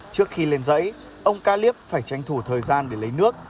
trước khi lên giấy ông ca liếp phải tranh thủ thời gian để lấy nước